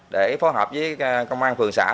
để phối hợp với công an phường xã